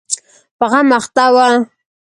په غم اخته و.